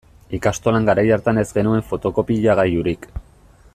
Ikastolan garai hartan ez genuen fotokopiagailurik.